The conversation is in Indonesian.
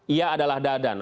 ia adalah dadan